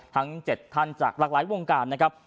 ทั้ง๗ท่านจากหลากหลายวงการนะครับ